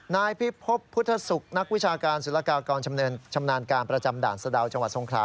นายพิพบพุทธศุกร์นักวิชาการศุลกากรชำนาญการประจำด่านสะดาวจังหวัดทรงครา